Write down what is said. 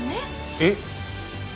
えっ？